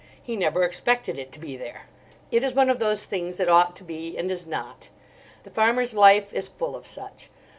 He never expected it to be there. It is one of those things that ought to be, and is not. The farmer's life is full of such.